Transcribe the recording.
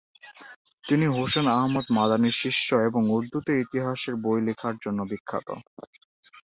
তিনি হুসেন আহমদ মাদানির শিষ্য এবং উর্দুতে ইতিহাসের বই লিখার জন্য বিখ্যাত।